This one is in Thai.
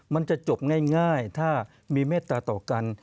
มันจะจบง่ายถ้ามีเมตตาต่อกัน